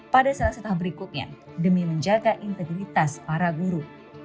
pada salah satu tahap berikutnya demi menjaga integritas para guru